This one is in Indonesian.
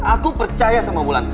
aku percaya sama wulan